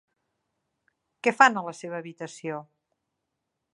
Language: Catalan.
Què fan a la seva habitació?